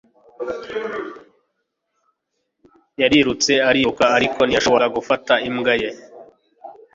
Yarirutse ariruka ariko ntiyashobora gufata imbwa ye